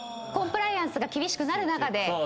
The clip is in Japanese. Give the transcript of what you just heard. コンプライアンスが厳しくなる中で。